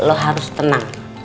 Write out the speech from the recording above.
lo harus tenang